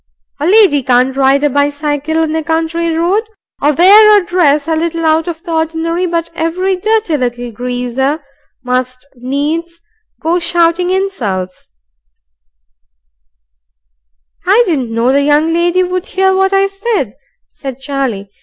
"A lady can't ride a bicycle in a country road, or wear a dress a little out of the ordinary, but every dirty little greaser must needs go shouting insults " "I didn't know the young lady would hear what I said," said Charlie.